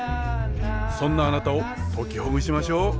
そんなあなたを解きほぐしましょう。